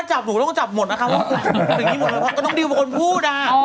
ถึงที่หมดแล้วก็ต้องดีลพอพูดอ่ะ